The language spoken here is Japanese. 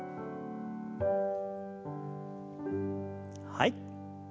はい。